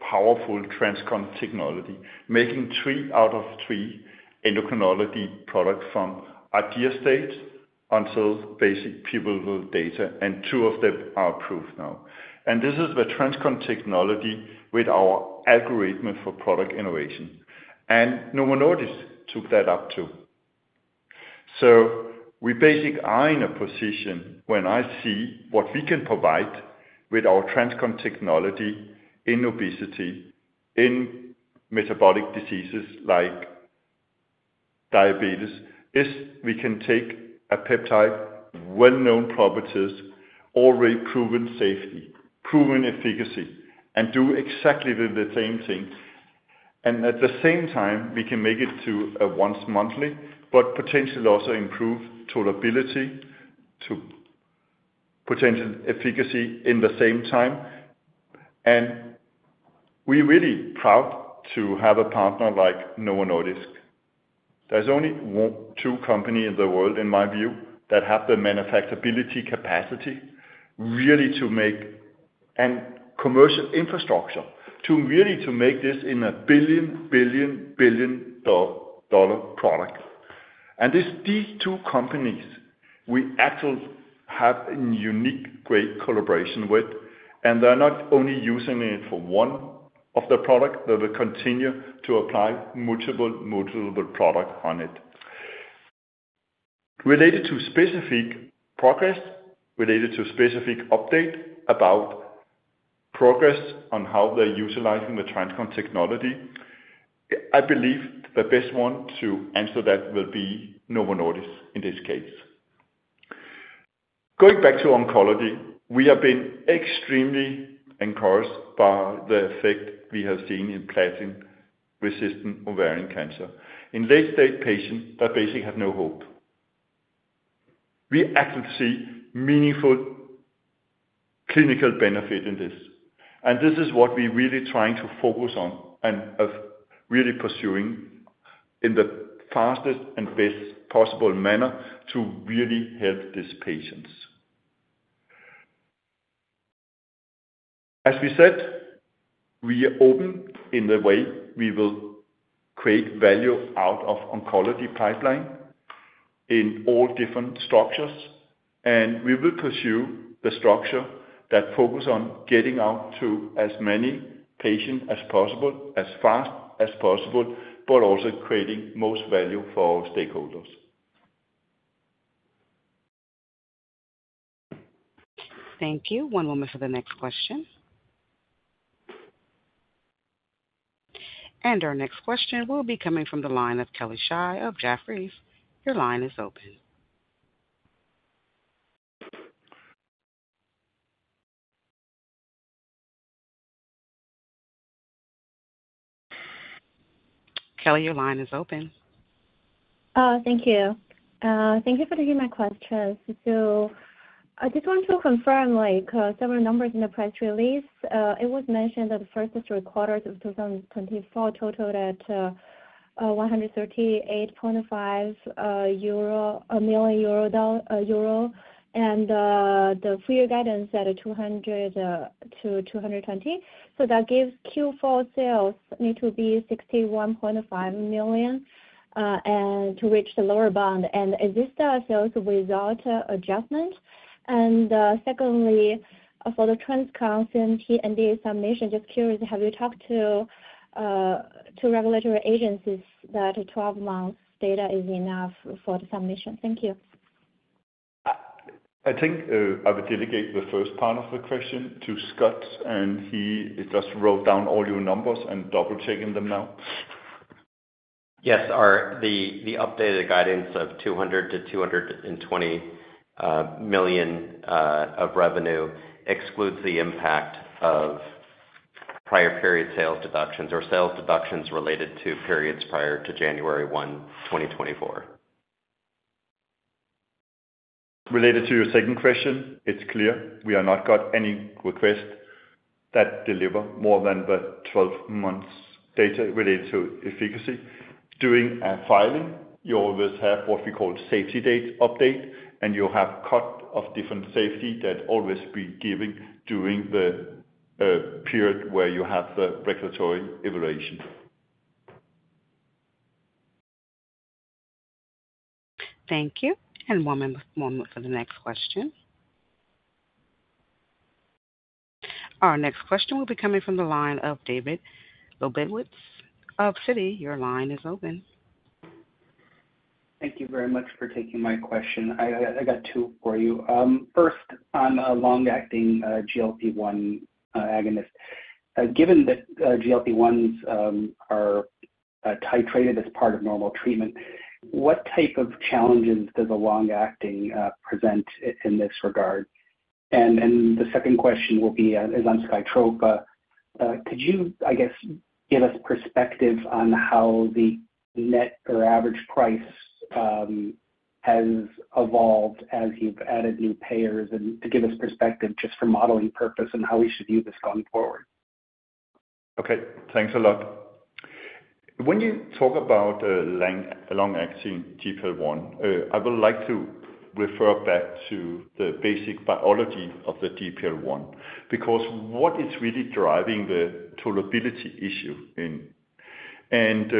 powerful TransCon technology making three out of three endocrinology products from idea stage until basic pivotal data, and two of them are approved now. This is the TransCon technology with our algorithm for product innovation. Novo Nordisk took that up too. We basically are in a position when I see what we can provide with our TransCon technology in obesity, in metabolic diseases like diabetes: we can take a peptide, well-known properties, already proven safety, proven efficacy, and do exactly the same thing. At the same time, we can make it to a once monthly, but potentially also improve tolerability to potential efficacy in the same time. We're really proud to have a partner like Novo Nordisk. There's only two companies in the world, in my view, that have the manufacturability capacity really to make and commercial infrastructure to really to make this in a billion, billion, billion dollar product. And these two companies, we actually have a unique great collaboration with, and they're not only using it for one of the products, they will continue to apply multiple, multiple products on it. Related to specific progress, related to specific update about progress on how they're utilizing the TransCon Technology, I believe the best one to answer that will be Novo Nordisk in this case. Going back to oncology, we have been extremely encouraged by the effect we have seen in platinum-resistant ovarian cancer. In late-stage patients, they basically have no hope. We actually see meaningful clinical benefit in this. And this is what we're really trying to focus on and really pursuing in the fastest and best possible manner to really help these patients. As we said, we are open in the way we will create value out of oncology pipeline in all different structures. And we will pursue the structure that focuses on getting out to as many patients as possible, as fast as possible, but also creating most value for our stakeholders. Thank you. One moment for the next question. And our next question will be coming from the line of Kelly Shi of Jefferies. Your line is open. Kelly, your line is open. Thank you. Thank you for taking my question. So I just want to confirm several numbers in the press release. It was mentioned that the first three quarters of 2024 totaled 138.5 million euro, and the full year guidance at 200 million-220 million. So that gives Q4 sales need to be 61.5 million to reach the lower bound. And is this sales without adjustment? And secondly, for the TransCon CNP and the submission, just curious, have you talked to regulatory agencies that 12-month data is enough for the submission? Thank you. I think I will dedicate the first part of the question to Scott, and he just wrote down all your numbers and double-checking them now. Yes. The updated guidance of 200 million-220 million of revenue excludes the impact of prior period sales deductions or sales deductions related to periods prior to January 1, 2024. Related to your second question, it's clear we have not got any request that delivers more than the 12-month data related to efficacy. During filing, you always have what we call safety data update, and you have cut-off of different safety that always be given during the period where you have the regulatory evaluation. Thank you. One moment for the next question. Our next question will be coming from the line of David Lebowitz of Citi. Your line is open. Thank you very much for taking my question. I got two for you. First, on a long-acting GLP-1 agonist, given that GLP-1s are titrated as part of normal treatment, what type of challenges does a long-acting present in this regard? And the second question will be on SkyTrofa. Could you, I guess, give us perspective on how the net or average price has evolved as you've added new payers and to give us perspective just for modeling purpose and how we should view this going forward? Okay. Thanks a lot. When you talk about the long-acting GLP-1, I would like to refer back to the basic biology of the GLP-1 because what is really driving the tolerability issue in it. And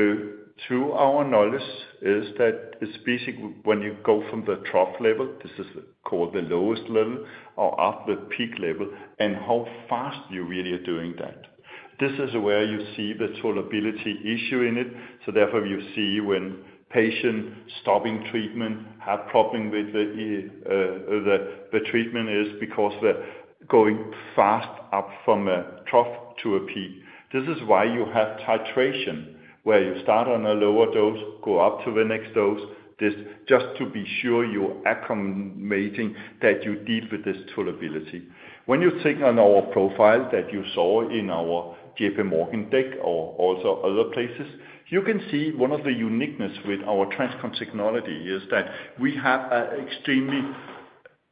to our knowledge, it's basically when you go from the trough level, this is called the lowest level, or up the peak level, and how fast you really are doing that. This is where you see the tolerability issue in it. So therefore, you see when patients stopping treatment have problems with the treatment is because they're going fast up from a trough to a peak. This is why you have titration, where you start on a lower dose, go up to the next dose, just to be sure you're acclimating that you deal with this tolerability. When you think on our profile that you saw in our JPMorgan deck or also other places, you can see one of the uniqueness with our TransCon technology is that we have an extremely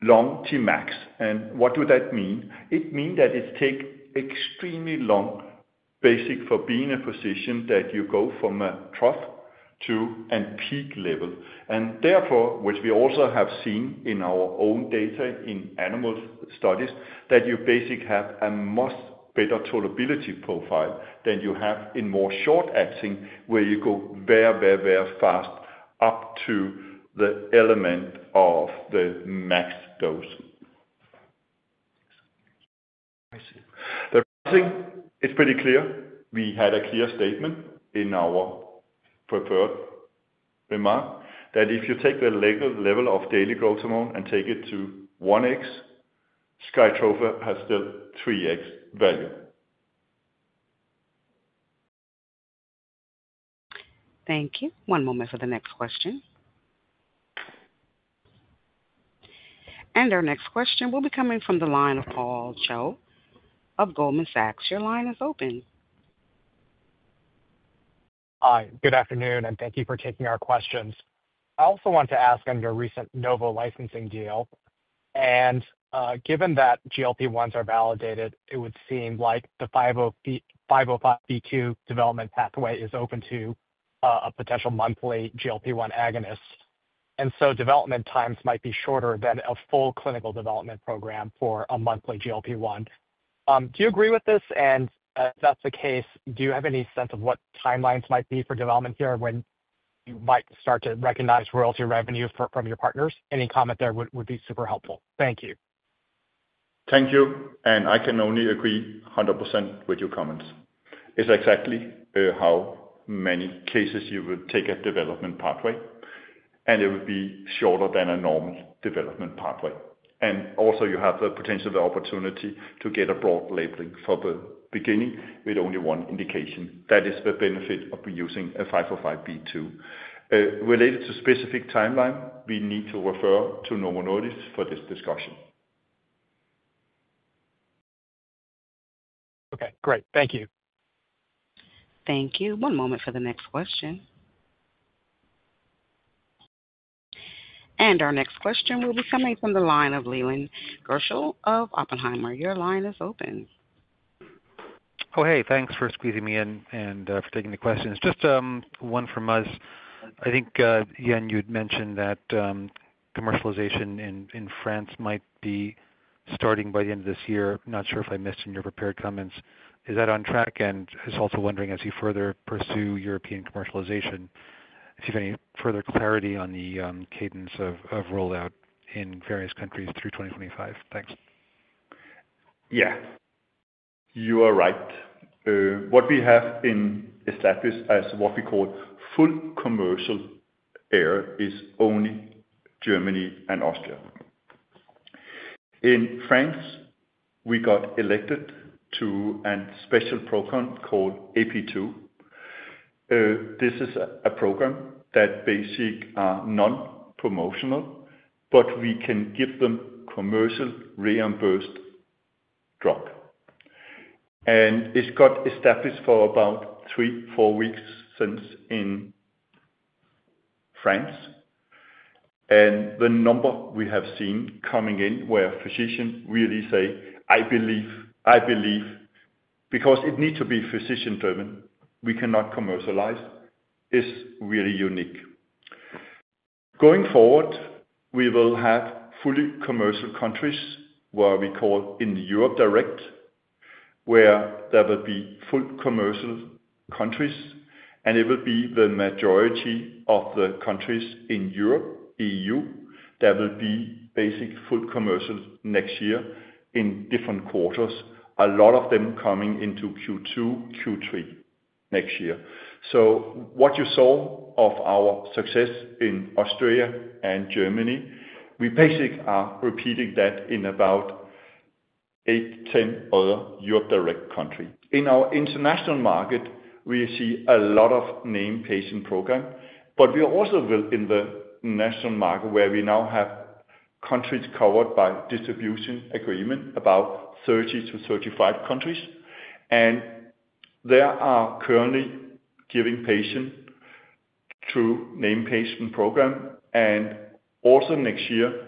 long Tmax. And what does that mean? It means that it takes extremely long, basically, for being a physician that you go from a trough to a peak level. And therefore, which we also have seen in our own data in animal studies, that you basically have a much better tolerability profile than you have in more short-acting, where you go very, very, very fast up to the level of the max dose. I see. The pricing, it's pretty clear. We had a clear statement in our prepared remarks that if you take the level of daily growth hormone and take it to 1x, SkyTrofa has still 3x value. Thank you. One moment for the next question, and our next question will be coming from the line of Paul Choi of Goldman Sachs. Your line is open. Hi. Good afternoon, and thank you for taking our questions. I also want to ask under a recent Novo licensing deal, and given that GLP-1s are validated, it would seem like the 505(b)(2) development pathway is open to a potential monthly GLP-1 agonist. And so development times might be shorter than a full clinical development program for a monthly GLP-1. Do you agree with this? And if that's the case, do you have any sense of what timelines might be for development here when you might start to recognize royalty revenue from your partners? Any comment there would be super helpful. Thank you. Thank you, and I can only agree 100% with your comments. It's exactly how many cases you will take a development pathway, and it will be shorter than a normal development pathway. And also, you have the potential opportunity to get a broad labeling for the beginning with only one indication. That is the benefit of using a 505(b)(2). Related to specific timeline, we need to refer to Novo Nordisk for this discussion. Okay. Great. Thank you. Thank you. One moment for the next question. And our next question will be coming from the line of Leland Gershell of Oppenheimer. Your line is open. Oh, hey. Thanks for squeezing me in and for taking the questions. Just one from us. I think, Jan, you'd mentioned that commercialization in France might be starting by the end of this year. Not sure if I missed in your prepared comments. Is that on track? And I was also wondering, as you further pursue European commercialization, if you have any further clarity on the cadence of rollout in various countries through 2025. Thanks. Yeah. You are right. What we have established as what we call full commercial area is only Germany and Austria. In France, we got elected to a special program called AP2. This is a program that basically is non-promotional, but we can give them commercial reimbursed drug. And it's got established for about three, four weeks since in France. And the number we have seen coming in where physicians really say, "I believe, I believe," because it needs to be physician-driven. We cannot commercialize. It's really unique. Going forward, we will have fully commercial countries where we call in Europe direct, where there will be full commercial countries. It will be the majority of the countries in Europe, EU, that will be basically full commercial next year in different quarters, a lot of them coming into Q2, Q3 next year. What you saw of our success in Austria and Germany, we basically are repeating that in about 8-10 other European direct countries. In our international market, we see a lot of named patient program, but we also will in the international market where we now have countries covered by distribution agreement, about 30-35 countries. They are currently giving patients through named patient program. Also next year,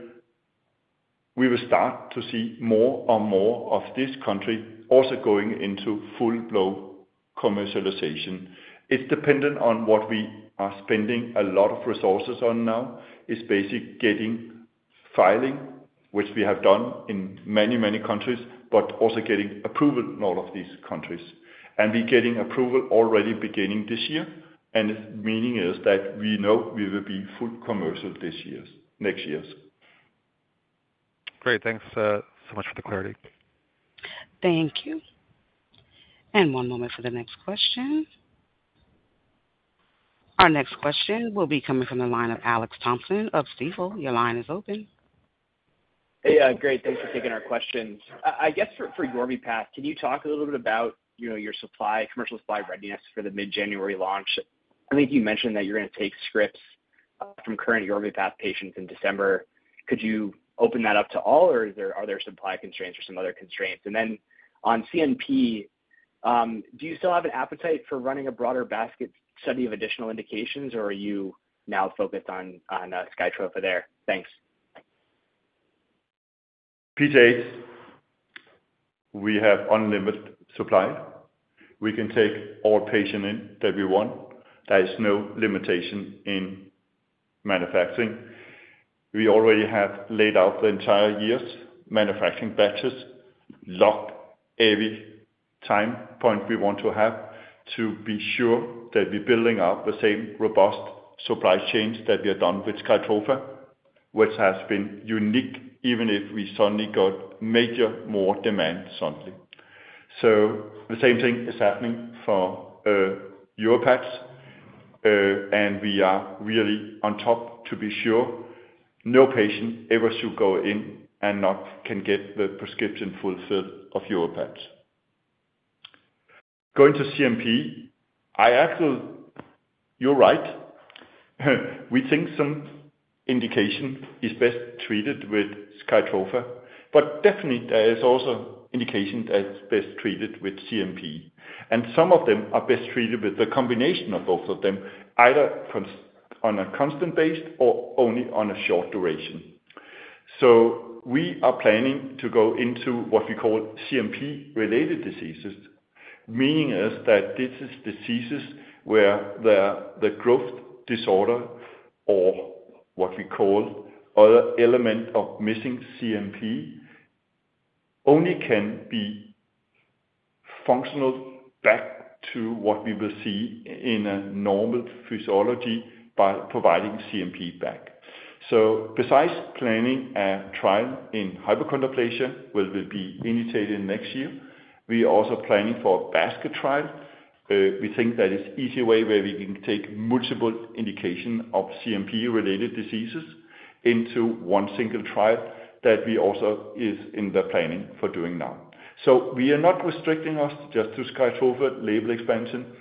we will start to see more and more of these countries also going into full-blown commercialization. It's dependent on what we are spending a lot of resources on now. It's basically getting filing, which we have done in many, many countries, but also getting approval in all of these countries. And we're getting approval already beginning this year. And the meaning is that we know we will be full commercial next years. Great. Thanks so much for the clarity. Thank you. And one moment for the next question. Our next question will be coming from the line of Alex Thompson of Stifel. Your line is open. Hey, great. Thanks for taking our questions. I guess for Yorvipath, can you talk a little bit about your commercial supply readiness for the mid-January launch? I think you mentioned that you're going to take scripts from current Yorvipath patients in December. Could you open that up to all, or are there supply constraints or some other constraints? And then on CNP, do you still have an appetite for running a broader basket study of additional indications, or are you now focused on SkyTrofa there? Thanks. Yes, we have unlimited supply. We can take all patients that we want. There is no limitation in manufacturing. We already have laid out the entire year's manufacturing batches, locked every time point we want to have to be sure that we're building up the same robust supply chains that we have done with SkyTrofa, which has been unique even if we suddenly got major more demand suddenly. So the same thing is happening for YORVIPATH, and we are really on top to be sure no patient ever should go in and not can get the prescription fulfilled of YORVIPATH. Going to CNP, I actually you're right. We think some indication is best treated with SkyTrofa, but definitely, there is also indication that's best treated with CNP, and some of them are best treated with the combination of both of them, either on a constant basis or only on a short duration. We are planning to go into what we call CNP-related diseases, meaning that this is diseases where the growth disorder or what we call other element of missing CNP only can be functional back to what we will see in a normal physiology by providing CNP back. Besides planning a trial in hypochondroplasia, which will be initiated next year, we are also planning for a basket trial. We think that it's an easy way where we can take multiple indications of CNP-related diseases into one single trial that we also are in the planning for doing now. So we are not restricting us just to SKYTROFA label expansion.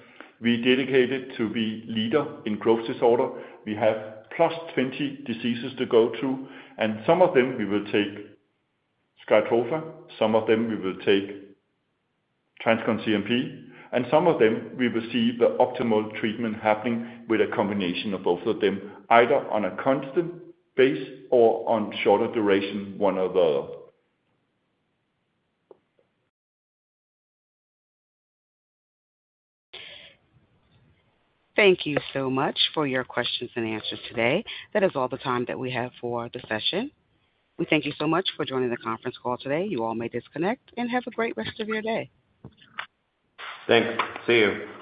We dedicate it to be leader in growth disorder. We have plus 20 diseases to go through. And some of them, we will take SKYTROFA. Some of them, we will take TransCon CNP. And some of them, we will see the optimal treatment happening with a combination of both of them, either on a constant base or on shorter duration, one or the other. Thank you so much for your questions and answers today. That is all the time that we have for the session. We thank you so much for joining the conference call today. You all may disconnect and have a great rest of your day. Thanks. See you.